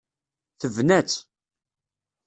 Tebna-tt.